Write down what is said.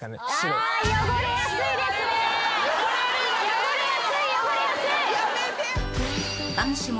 汚れやすい汚れやすい。